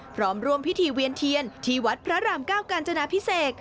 พร้อมร่วมพิธีเวียนเทียนที่วัดพระรามเก้ากาญจนาพิเศษ